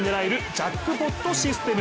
ジャックポットシステム。